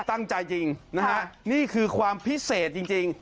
ตั้งใจจริงนะฮะนี่คือความพิเศษจริง